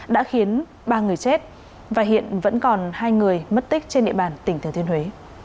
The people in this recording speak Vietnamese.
đã khiến ba người chết và hiện vẫn còn hai người mất tích trên địa bàn tỉnh thừa thiên huế